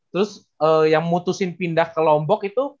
terus yang mutusin pindah ke lombok itu